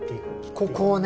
ここをね